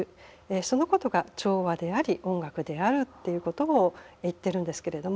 そのことが調和であり音楽であるっていうことを言ってるんですけれども。